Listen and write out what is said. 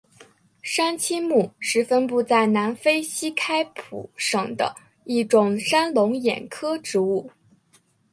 山栖木是分布在南非西开普省的一种山龙眼科植物。